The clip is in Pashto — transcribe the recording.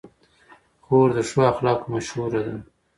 خور د ښو اخلاقو مشهوره ده.